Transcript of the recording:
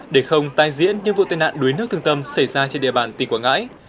để không tái diễn những vụ tai nạn đuối nước thương tâm xảy ra trên địa bàn tỉnh quảng ngãi